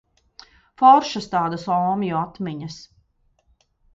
Foršas tādas omju atmiņas.